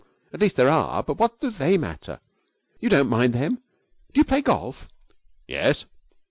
At least, there are; but what do they matter? You don't mind them. Do you play golf?' 'Yes.'